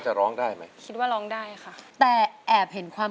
เพลงที่๒นี้มีมูลค่า๒หมื่นบาท